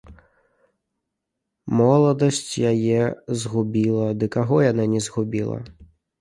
Моладасць яе згубіла, ды каго яна не згубіла!